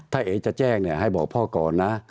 ถ้าเอ๋จะแจ้งให้บอกพ่อก่อนนะ